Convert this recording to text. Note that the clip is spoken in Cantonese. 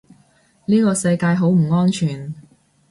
呢個世界好唔安全